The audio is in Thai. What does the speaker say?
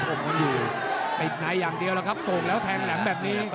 ติดไหนอย่างเดียวแล้วครับโกงแล้วแทงแหลมแบบนี้